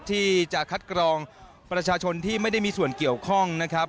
ที่จะคัดกรองประชาชนที่ไม่ได้มีส่วนเกี่ยวข้องนะครับ